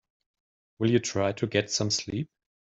Will you try to get some sleep?